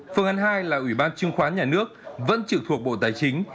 phương án hai là ủy ban chứng khoán nhà nước vẫn trực thuộc bộ tài chính